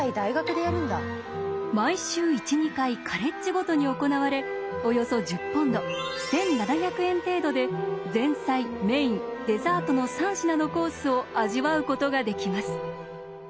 毎週１２回カレッジごとに行われおよそ１０ポンド１，７００円程度で前菜メインデザートの３品のコースを味わうことができます。